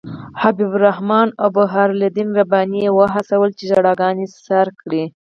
حبیب الرحمن او برهان الدین رباني یې وهڅول چې ژړاګانې سر کړي.